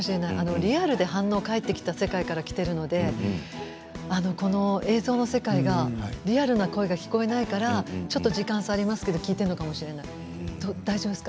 リアルで反応が返ってきた世界で生きていたので映像の世界がリアルな声が聞こえないからちょっと時間差がありますけど聞いていたのかもしれない大丈夫ですか。